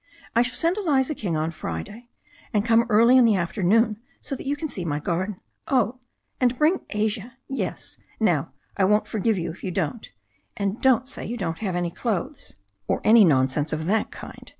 I shall send Eliza King on Friday. And come early in the afternoon so that you can see my garden. Oh^ and bring Asia — yes, now, I won't forgive you if you don't* And don't say you haven't any clothes, or any nonsense of that kind.